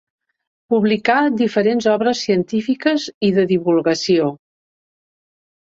Publicà diferents obres científiques i de divulgació.